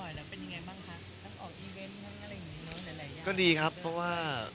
กับออกอีเวนต์อะไรอย่างงี้เนอะหลายหลายอย่างก็ดีครับเพราะว่า